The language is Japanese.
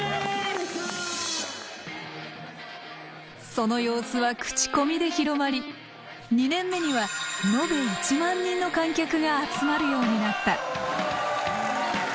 その様子は口コミで広まり２年目には延べ１万人の観客が集まるようになった。